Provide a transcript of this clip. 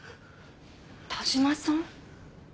田嶋さん？